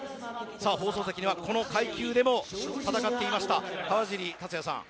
放送席にはこの階級でも戦っていた川尻達也さん